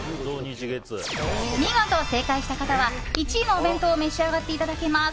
見事、正解した方は１位のお弁当を召し上がっていただけます。